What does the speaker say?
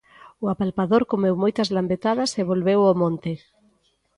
O Apalpador comeu moitas lambetadas e volveu ao monte.